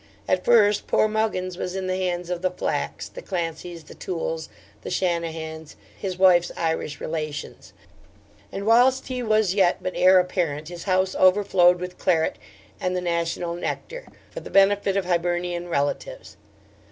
At first, poor Muggins was the in the hands of the Flacks, the Clancys, the Tooles, the Shanahans, his wife's Irish relations; and whilst he was yet but heir apparent, his house overflowed with claret and the national nectar, for the benefit of Hibernian relatives.